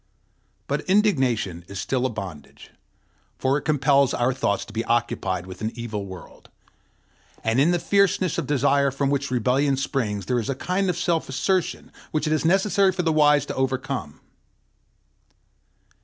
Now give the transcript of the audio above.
But indignation is still a bondage, for it compels our thoughts to be occupied with an evil world; and in the fierceness of desire from which rebellion springs there is a kind of self assertion which it is necessary for the wise to overcome.